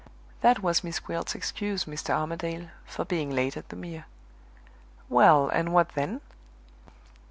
That was Miss Gwilt's excuse, Mr. Armadale, for being late at the Mere." "Well, and what then?"